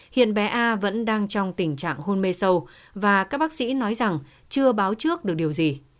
hiện bé a vẫn đang trong tình trạng hôn mê sâu và các bác sĩ nói rằng chưa báo trước được điều gì